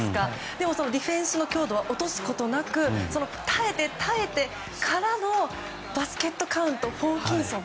でも、ディフェンスの強度は落とすことなく耐えて耐えてからのバスケットカウントホーキンソン。